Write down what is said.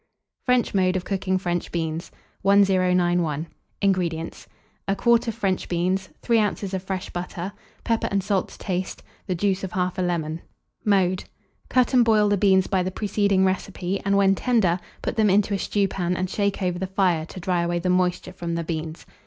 FRENCH MODE OF COOKING FRENCH BEANS. 1091. INGREDIENTS. A quart of French beans, 3 oz. of fresh butter, pepper and salt to taste, the juice of 1/2 lemon. Mode. Cut and boil the beans by the preceding recipe, and when tender, put them into a stewpan, and shake over the fire, to dry away the moisture from the beans.